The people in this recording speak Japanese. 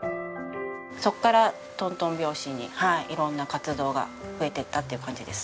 そこからトントン拍子に色んな活動が増えていったっていう感じです。